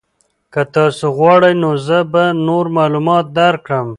که تاسو غواړئ نو زه به نور معلومات درکړم.